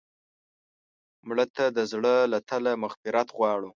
مړه ته د زړه له تله مغفرت غواړو